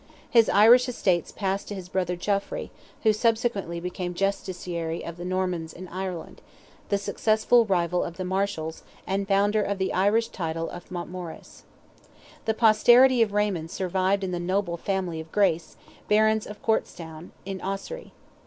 His Irish estates passed to his brother Geoffrey, who subsequently became Justiciary of the Normans in Ireland, the successful rival of the Marshals, and founder of the Irish title of Mountmorres. The posterity of Raymond survived in the noble family of Grace, Barons of Courtstown, in Ossory.